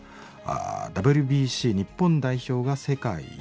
「ＷＢＣ日本代表が世界一。